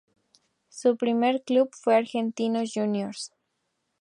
Su primer club fue Argentinos Juniors.